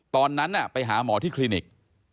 ตอนนั้นไปหาหมอที่คลินิก